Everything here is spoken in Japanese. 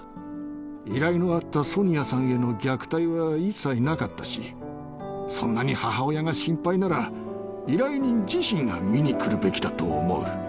依頼のあったソニアさんへの虐待は一切なかったし、そんなに母親が心配なら依頼人自身が見に来るべきだと思う。